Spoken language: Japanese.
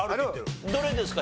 どれですか？